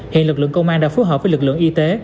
hiện lực lượng công an đã phối hợp với lực lượng y tế